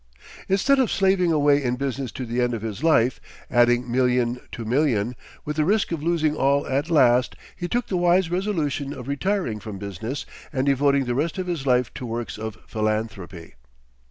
Instead of slaving away in business to the end of his life, adding million to million, with the risk of losing all at last, he took the wise resolution of retiring from business and devoting the rest of his life to works of philanthropy.